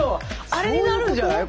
あれになるんじゃない？